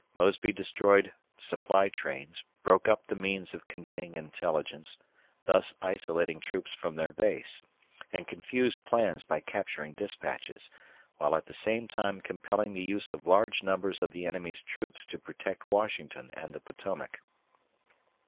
Mosby destroyed supply trains, broke up the means of conveying intelligence, thus isolating troops from their base, and confused plans by capturing dispatches, while at the same time compelling the use of large numbers of the enemy's troops to protect Washington and the Potomac.